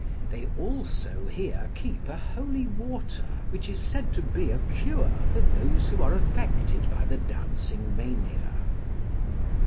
They also here keep a holy water, which is said to be a cure for those who are affected by the dancing mania.